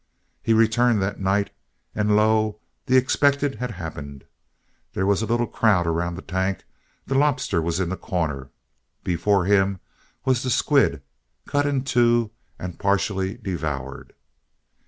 He returned that night, and lo! the expected had happened. There was a little crowd around the tank. The lobster was in the corner. Before him was the squid cut in two and partially devoured.